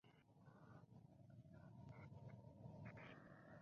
Assistant coach Jim Ferry was named interim coach for the season.